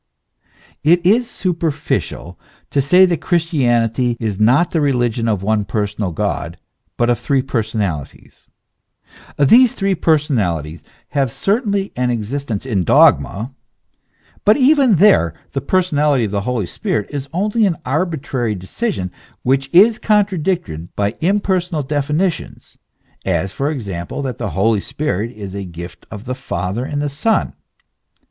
"* It is superficial to say that Christianity is not the religion of one personal God, but of three personalities. These three personalities have certainly an existence in dogma ; but even there the personality of the Holy Spirit is only an arbitrary decision which is contradicted by impersonal definitions, as for example that the Holy Spirit is the gift of the Father and Son.